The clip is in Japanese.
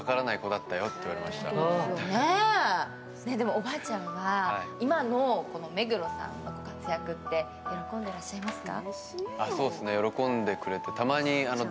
おばあちゃんは今の目黒さんの活躍って喜んでらっしゃいますか？